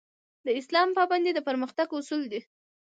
د اسلام پابندي د پرمختګ اصول دي